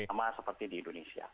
sama seperti di indonesia